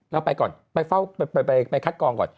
เราไปก่อนไปคัดกองก่อน